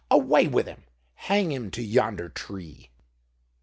Away with him! Hang him to yonder tree!"